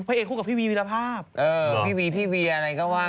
โอลี่คัมรี่ยากที่ใครจะตามทันโอลี่คัมรี่ยากที่ใครจะตามทัน